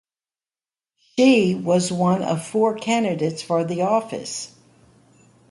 She was one of four candidates for the office.